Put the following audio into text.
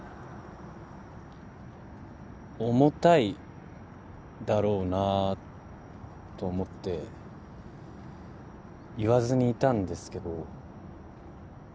重たいだろうなと思って言わずにいたんですけど。